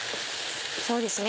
そうですね